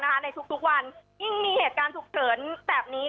ในทุกวันยิ่งมีเหตุการณ์ฉุกเฉินแบบนี้